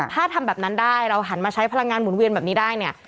ถ้าทำแบบนั้นได้เราหันมาใช้พลังงานหมุนเวียนแบบนี้ได้เนี่ย